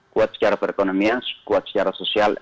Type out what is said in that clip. kuat secara perekonomian kuat secara sosial